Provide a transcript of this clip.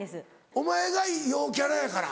お前が陽キャラやから？